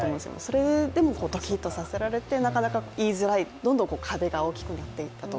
それでもドキッとさせられてなかなか言いづらい、どんどん壁が大きくなっていったと。